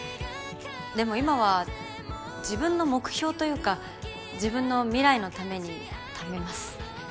でも今は自分の目標というか自分の未来のためにためます。